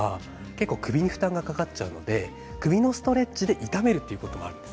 首に負担がかかっちゃうので首のストレッチで痛めるということがあるんです。